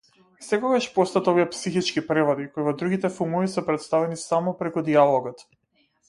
Секогаш постојат овие психички преводи, кои во другите филмови се претставени само преку дијалогот.